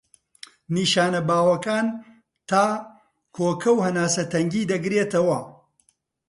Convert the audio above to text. نیشانە باوەکان تا، کۆکە و هەناسە تەنگی دەگرێتەوە.